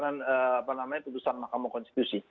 namanya keputusan makamu konstitusi